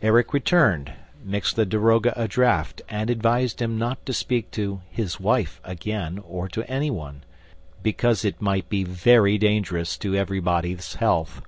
Erik returned, mixed the daroga a draft and advised him not to speak to "his wife" again nor to any one, BECAUSE IT MIGHT BE VERY DANGEROUS TO EVERYBODY'S HEALTH.